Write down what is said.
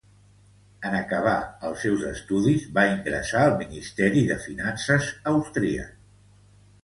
En acabar els seus estudis, va ingressar al Ministeri de Finances austríac.